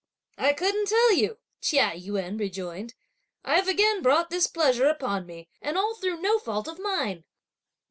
"I couldn't tell you!" Chia Yün rejoined; "I've again brought displeasure upon me, and all through no fault of mine."